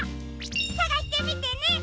さがしてみてね！